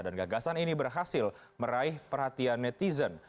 dan gagasan ini berhasil meraih perhatian netizen